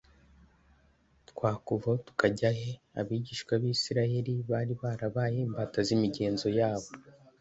«Twakuvaho tukajya he?» Abigisha b'Isirayeli bari barabaye imbata z'imigenzo yabo.